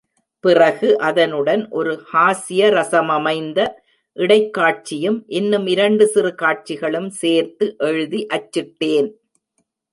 பிறகு அதனுடன் ஒரு ஹாஸ்ய ரசமமைந்த இடைக்காட்சியும், இன்னும் இரண்டு சிறு காட்சிகளும் சேர்த்து எழுதி அச்சிட்டேன்.